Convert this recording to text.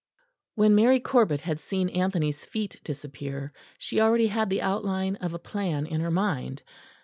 When Mary Corbet had seen Anthony's feet disappear, she already had the outline of a plan in her mind.